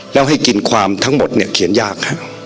แล้วให้กินความทั้งหมดเนี่ยเขียนยาก